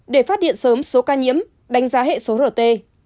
để phát hiện sớm số ca nhiễm đánh giá hệ số rt